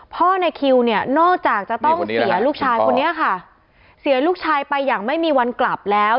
ในคิวเนี่ยนอกจากจะต้องเสียลูกชายคนนี้ค่ะเสียลูกชายไปอย่างไม่มีวันกลับแล้ว